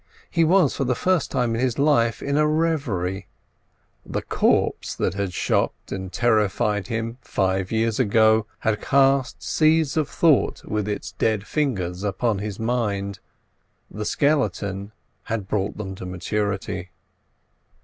He was for the first time in his life in a reverie; the corpse that had shocked and terrified him five years ago had cast seeds of thought with its dead fingers upon his mind, the skeleton had brought them to maturity.